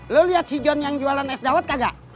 lu liat si john yang jualan es dawet kagak